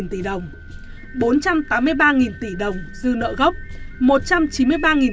bốn trăm tám mươi ba tỷ đồng dư nợ gốc một trăm chín mươi ba tỷ đồng tiền frick share tại scb